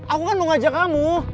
aku kan mau ngajak kamu